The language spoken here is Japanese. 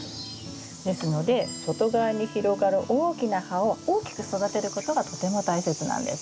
ですので外側に広がる大きな葉を大きく育てることがとても大切なんです。